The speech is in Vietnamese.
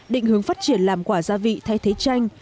định hướng phát triển làm quả gia vị thay thế tranh